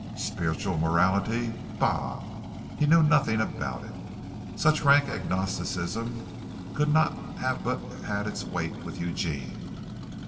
Spiritual morality? Bah! He knew nothing about it. Such rank agnosticism could not but have had its weight with Eugene.